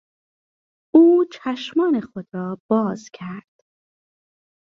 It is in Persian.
او چشمان خود را باز کرد.